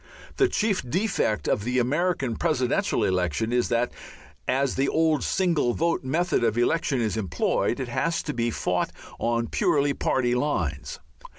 The chief defect of the American Presidential election is that as the old single vote method of election is employed it has to be fought on purely party lines.